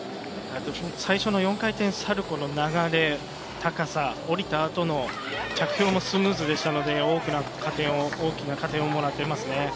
最初の４回転サルコウの流れ、高さ下りた後の着氷もスムーズでしたので大きな加点をもらっています。